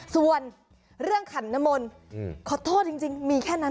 ส่วนเรื่องขันนมลขอโทษจริงมีแค่นั้น